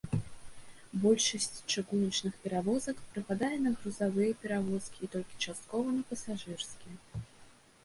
Большасць чыгуначных перавозак прыпадае на грузавыя перавозкі, і толькі часткова на пасажырскія.